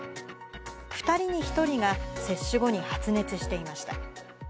２人に１人が接種後に発熱していました。